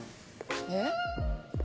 えっ？